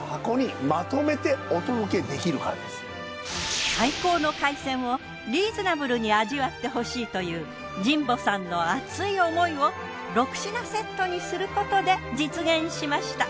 そして最高の海鮮をリーズナブルに味わってほしいという神保さんの熱い思いを６品セットにすることで実現しました。